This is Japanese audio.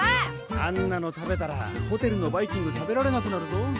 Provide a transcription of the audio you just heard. あんなの食べたらホテルのバイキング食べられなくなるぞ。